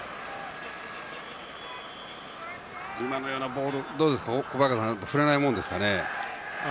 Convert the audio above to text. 今のようなボール小早川さん振れないものですかね？